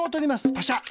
パシャ。